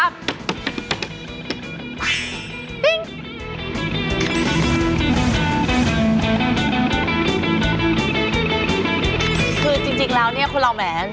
คือจริงแล้วเนี่ยคนเราแหม